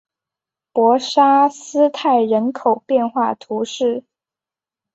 博沙斯泰人口变化图示